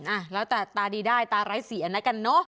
อ่ะแล้วแต่ตาดีได้ตาไร้เสียนะกันเนอะ